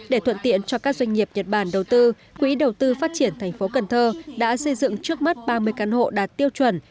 để thuận tiện cho các doanh nghiệp nhật bản đầu tư quỹ đầu tư phát triển thành phố cần thơ đã xây dựng trước mắt ba mươi căn hộ đạt tiêu chuẩn